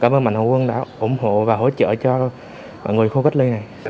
mình đã ủng hộ và hỗ trợ cho mọi người khu cách ly này